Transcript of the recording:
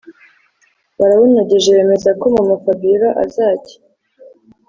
barawunogeje bemeza ko mamaFabiora azajya